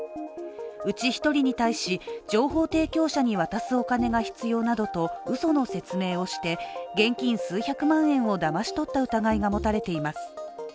うち１人に対し、情報提供者に渡すお金が必要などとうその説明をして現金数百万円をだまし取った疑いが持たれています。